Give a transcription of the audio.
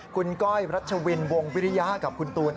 คุณก้อยรัชวินวงวิริยะกับคุณตูน